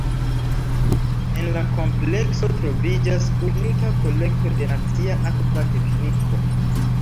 En la komplekso troviĝas unika kolekto de nacia akva tekniko.